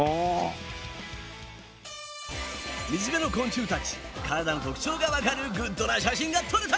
水辺の昆虫たち体の特徴がわかるグッドな写真が撮れた！